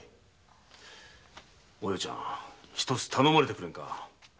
お葉ちゃん頼まれてくれんか。